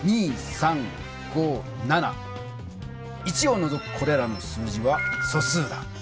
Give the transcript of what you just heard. １をのぞくこれらの数字は「素数」だ。